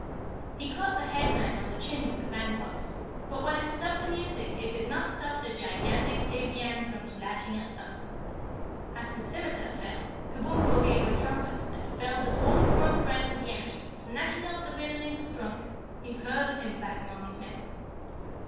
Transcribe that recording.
He caught the Headman on the chin with the bandbox, but while it stopped the music it did not stop the gigantic Evian from slashing at Thun. As his scimiter fell, Kabumpo gave a trumpet that felled the whole front rank of the enemy, and snatching up the villain in his trunk, he hurled him back among his men.